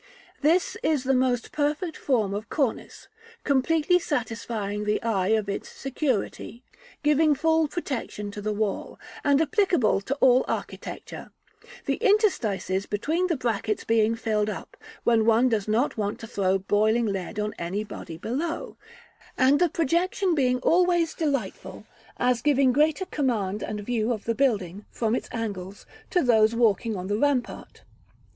This is the most perfect form of cornice, completely satisfying the eye of its security, giving full protection to the wall, and applicable to all architecture, the interstices between the brackets being filled up, when one does not want to throw boiling lead on any body below, and the projection being always delightful, as giving greater command and view of the building, from its angles, to those walking on the rampart.